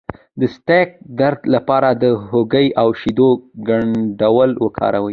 د سیاتیک درد لپاره د هوږې او شیدو ګډول وکاروئ